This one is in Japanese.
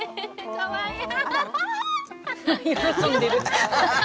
かわいい！